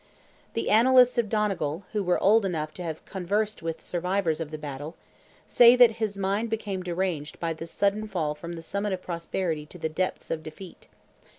The Annalists of Donegal, who were old enough to have conversed with survivors of the battle, say that his mind became deranged by this sudden fall from the summit of prosperity to the depths of defeat.